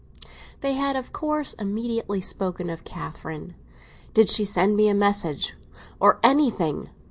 XVI THEY had of course immediately spoken of Catherine. "Did she send me a message, or—or anything?"